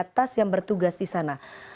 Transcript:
atas yang bertugas di sana